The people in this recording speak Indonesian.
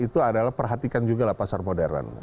itu adalah perhatikan juga lah pasar modern